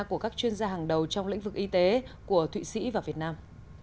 của các chuyên gia hàng đầu trong lĩnh vực y tế của thụy sĩ và việt nam